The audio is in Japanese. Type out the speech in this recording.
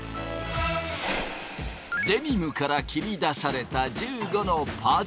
デニムから切り出された１５のパーツ。